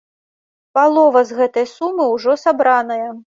Палова з гэтай сумы ўжо сабраная.